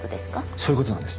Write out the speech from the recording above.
そういうことなんです。